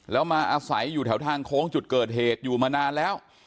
แล้วมาอาศัยอยู่แถวทางโค้งจุดเกิดเหตุอยู่มานานแล้ว